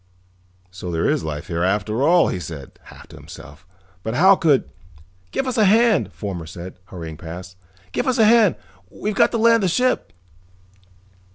"So there is life here, after all," he said, half to himself. "But how could " "Give us a hand," Fomar said, hurrying past. "Give us a hand, we've got to land the ship!"